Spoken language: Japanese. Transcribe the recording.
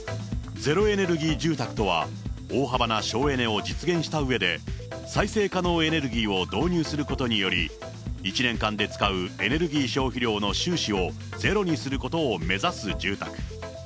ゼロエネルギー住宅とは、大幅な省エネを実現したうえで、再生可能エネルギーを導入することにより、１年間で使うエネルギー消費量の収支をゼロにすることを目指す住宅。